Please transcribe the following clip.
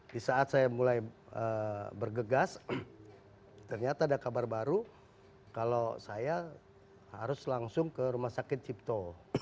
di saat saya mulai bergegas ternyata ada kabar baru kalau saya harus langsung ke rumah sakit cipto